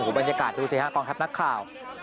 บรรยากาศดูสิฮะกองทัพนักข่าว